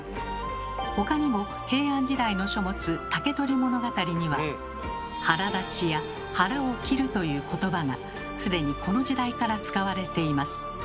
ほかにも平安時代の書物「竹取物語」には「腹立ち」や「腹を切る」ということばがすでにこの時代から使われています。